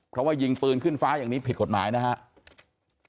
เพราะว่ายิงปืนขึ้นฟ้าอย่างนี้ผิดกฎหมายนะครับ